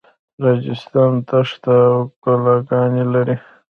راجستان دښته او کلاګانې لري.